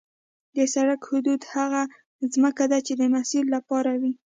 د سړک حدود هغه ځمکه ده چې د مسیر لپاره وي